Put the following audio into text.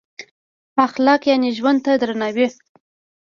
اخلاق یعنې ژوند ته درناوی.